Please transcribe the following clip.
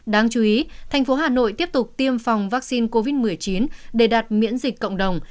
đáng chú ý thành phố hà nội tiếp tục tiêm phòng vaccine covid một mươi chín để đạt miễn dịch cộng đồng